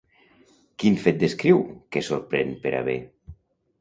Quin fet descriu que sorprèn per a bé?